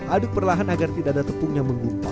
aduk perlahan agar tidak ada tepung yang menggumpal